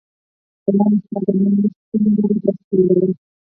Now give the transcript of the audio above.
سلام استاده نن موږ کوم نوی درس پیلوو